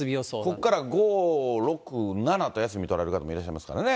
ここから５、６、７と休み取られる方もいらっしゃいますからね。